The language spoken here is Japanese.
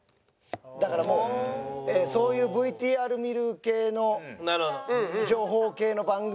だからもうそういうＶＴＲ見る系の情報系の番組は。